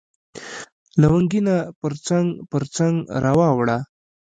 لونګینه پرڅنګ، پرڅنګ را واوړه